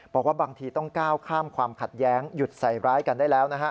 บอกว่าบางทีต้องก้าวข้ามความขัดแย้งหยุดใส่ร้ายกันได้แล้วนะฮะ